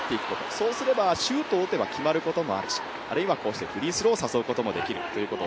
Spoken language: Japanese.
そうすれば、シュートを打てば決まることもあるしあるいはフリースローを誘うことができるということを